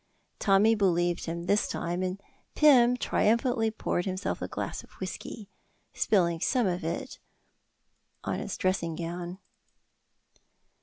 Tommy believed him this time, and Pym triumphantly poured himself a glass of whisky, spilling some of it on his dressing gown.